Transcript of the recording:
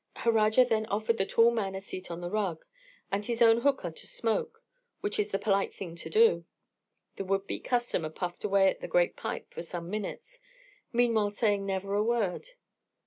Harajar then offered the tall man a seat on the rug, and his own hookah to smoke, which is the polite thing to do. The would be customer puffed away at the great pipe for some minutes, meanwhile saying never a word.